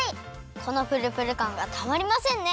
このぷるぷるかんがたまりませんね！